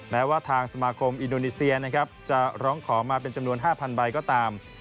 แม้ว่าทางสมาคมอินโดนีเซียนะครับจะร้องขอมาเป็นจำนวน๕๐๐ใบก็ตาม